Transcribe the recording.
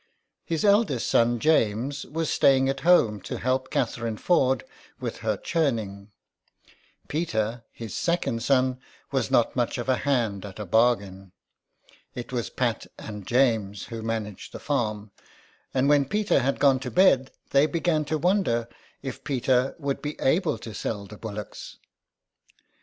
His eldest son, James, was staying at home to help Catherine Ford with her churning ; Peter, his second son, was not much of a hand at a bargain ; it was Pat and James who managed the farm, and when Peter had gone to bed they began to wonder if Peter would be able to sell the bullocks.